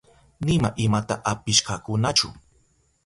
Nima imata apishkakunachu.